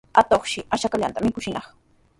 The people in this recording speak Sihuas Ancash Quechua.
Atuqshi ashkallanta mikuskinaq.